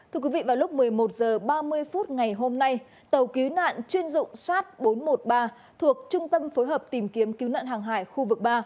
thưa quý vị vào lúc một mươi một h ba mươi phút ngày hôm nay tàu cứu nạn chuyên dụng sát bốn trăm một mươi ba thuộc trung tâm phối hợp tìm kiếm cứu nạn hàng hải khu vực ba